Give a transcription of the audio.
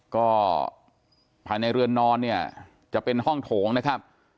ก็ภายในเรือนนอนเนี่ยจะเป็นห้องโถงนะครับ